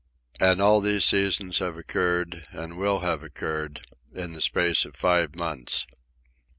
And all these seasons have occurred, and will have occurred, in the space of five months.